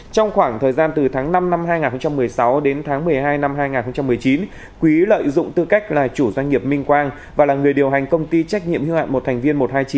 trong khoảng thời gian từ tháng năm năm hai nghìn một mươi sáu đến tháng một mươi hai năm hai nghìn một mươi chín quý lợi dụng tư cách là chủ doanh nghiệp minh quang và là người điều hành công ty trách nhiệm hữu hạn một thành viên một trăm hai mươi chín